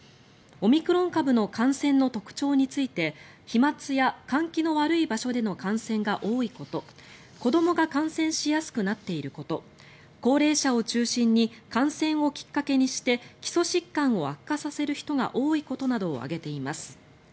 オミクロン株の感染の特徴について飛まつや換気の悪い場所での感染が多いこと子どもが感染しやすくなっていること高齢者を中心に感染をきっかけにして基礎疾患を悪化させる人が多いことなどを挙げています。